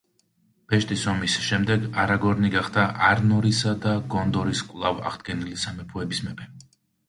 ბეჭდის ომის შემდეგ არაგორნი გახდა არნორისა და გონდორის კვლავ აღდგენილი სამეფოების მეფე.